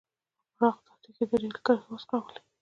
په پراخو دښتو کې یې رېل کرښې وغځولې.